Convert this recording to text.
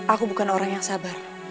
aku bukan orang yang sabar